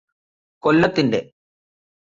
കൊല്ലത്തിന്റെ